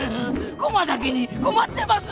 コマだけにコマってますね。